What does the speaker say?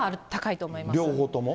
両方とも？